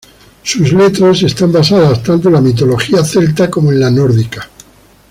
Sus letras están basadas tanto en la mitología celta como en la nórdica.